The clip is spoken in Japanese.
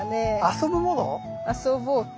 遊ぼうか。